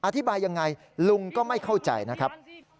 อธิบายยังไงลุงก็ไม่เข้าใจนะครับ